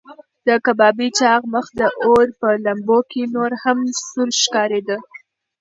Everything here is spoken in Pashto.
د کبابي چاغ مخ د اور په لمبو کې نور هم سور ښکارېده.